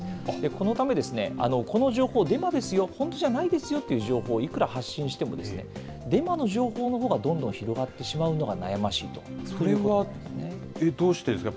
このため、この情報、デマですよ、本当じゃないですよという情報をいくら発信しても、デマの情報のほうがどんどん広がってしまうのが悩ましいと、そういうことですね。